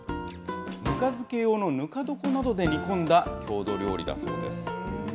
ぬか漬け用のぬか床などで煮込んだ郷土料理だそうです。